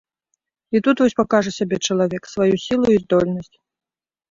І тут вось пакажа сябе чалавек, сваю сілу і здольнасць.